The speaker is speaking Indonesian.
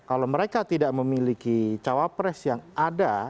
kalau mereka tidak memiliki cawapres yang ada yang diwakili di dalam koalisi